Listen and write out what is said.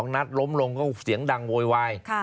นัดล้มลงก็เสียงดังโวยวาย